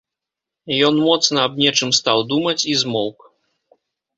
Ён моцна аб нечым стаў думаць і змоўк.